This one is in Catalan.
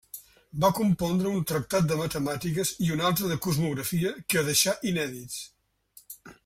Va compondre un tractat de matemàtiques i un altre de cosmografia, que deixà inèdits.